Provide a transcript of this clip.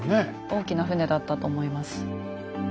大きな船だったと思います。